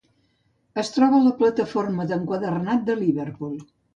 Es troba a la plataforma d'enquadernat de Liverpool.